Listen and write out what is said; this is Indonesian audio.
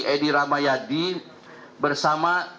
edy ramayadi bersama